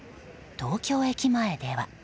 東京駅前では。